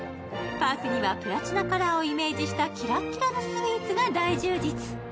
パークにはプラチナカラーをイメージしたキラッキラのスイーツが大充実。